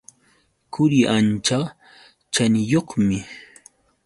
Quri ancha chaniyuqmi.